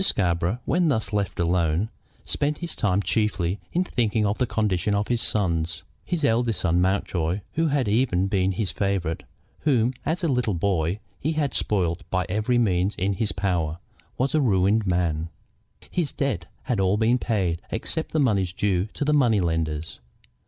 Scarborough, when thus left alone, spent his time chiefly in thinking of the condition of his sons. His eldest son, Mountjoy, who had ever been his favorite, whom as a little boy he had spoiled by every means in his power, was a ruined man. His debts had all been paid, except the money due to the money lenders.